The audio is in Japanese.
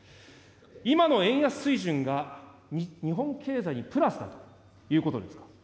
今の円安水準が日本経済にプラスだということですか。